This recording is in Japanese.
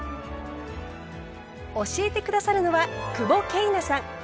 教えて下さるのは久保桂奈さん。